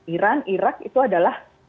iran irak itu adalah